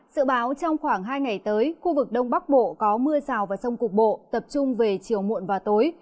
sự báo trong khoảng hai ngày tới khu vực đông bắc bộ có mưa rào và rông cục bộ tập trung về chiều muộn và tối